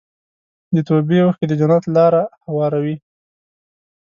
د توبې اوښکې د جنت لاره هواروي.